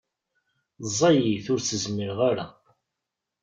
Ẓẓayet ur s-zmireɣ ara.